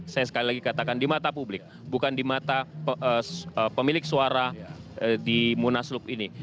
saya sekali lagi katakan di mata publik bukan di mata pemilik suara di munaslup ini